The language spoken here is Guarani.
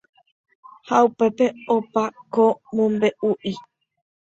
Ha upépe opa ko mombe'u'i